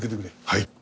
はい。